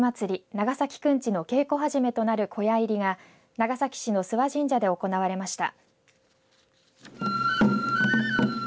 長崎くんちの稽古始めとなる小屋入りが長崎市の諏訪神社で行われました。